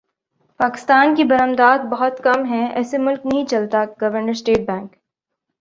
پاکستان کی برمدات بہت کم ہیں ایسے ملک نہیں چلتا گورنر اسٹیٹ بینک